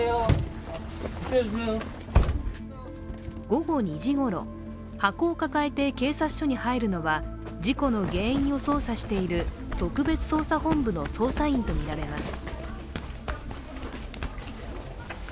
午後２時ごろ、箱を抱えて警察署に入るのは事故の原因を捜査している特別捜査本部の捜査員とみられます。